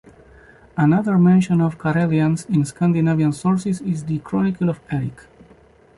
Another mention of Karelians in Scandinavian sources is The Chronicle of Erik.